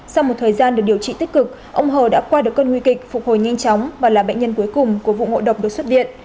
sau một thời gian được điều trị tích cực ông hờ đã qua được cơn nguy kịch phục hồi nhanh chóng và là bệnh nhân cuối cùng của vụ ngộ độc được xuất viện